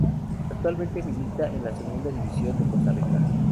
Actualmente milita en la Segunda División de Costa Rica.